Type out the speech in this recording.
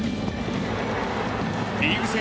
リーグ戦